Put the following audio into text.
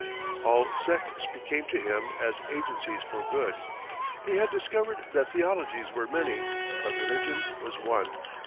All sects became to him as agencies for good. He had discovered that theologies were many, but religion was one.